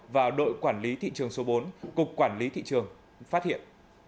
và đội quản lý thị trường số bốn cục quản lý thị trường phát hiện